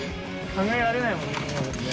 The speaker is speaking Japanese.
考えられないもんね。